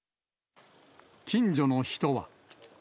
近所の人は。